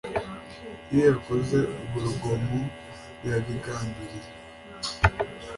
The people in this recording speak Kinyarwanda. Iyo yakoze urwo rugomo yabigambiriye